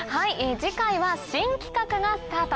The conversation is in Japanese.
次回は新企画がスタート。